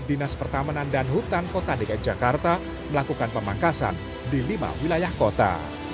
dinas pertamanan dan hutan kota dki jakarta melakukan pemangkasan di lima wilayah kota